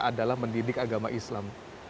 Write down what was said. adalah mendidik agama islam